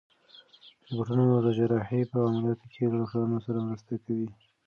روبوټونه اوس د جراحۍ په عملیاتو کې له ډاکټرانو سره مرسته کوي.